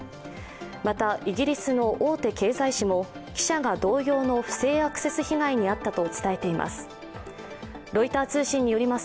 また、イギリスの大手経済紙も記者が同様の不正アクセス被害に遭ったと伝えています。